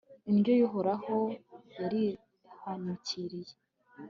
indyo y'uhoraho yarihanukiriye